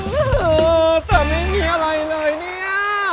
โอ้โหแต่ไม่มีอะไรเลยเนี่ย